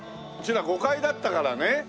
うちら５階だったからね。